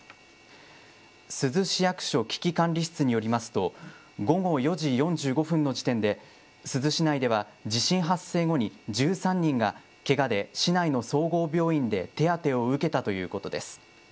珠洲市役所危機管理室によりますと、午後４時４５分の時点で、珠洲市内では地震発生後に１３人がけがで市内の総合病院で手当てを受けたということです。